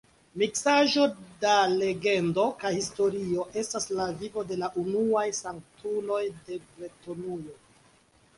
Miksaĵo da legendo kaj historio estas la vivo de la unuaj sanktuloj de Bretonujo.